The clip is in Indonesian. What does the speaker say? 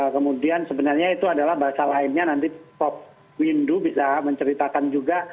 kemudian sebenarnya itu adalah bahasa lainnya nanti pop windu bisa menceritakan juga